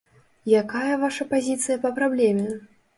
Якая ваша пазіцыя па праблеме?